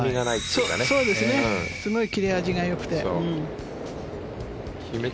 すごい切れ味が良くてね。